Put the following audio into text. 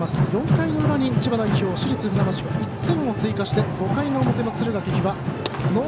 ４回の裏に千葉代表、市立船橋が１点を追加して５回の表の敦賀気比。